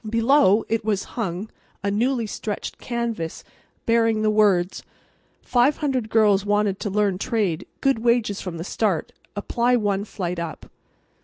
Below it was hung a newly stretched canvas bearing the words, "Five hundred girls wanted to learn trade. Good wages from the start. Apply one flight up."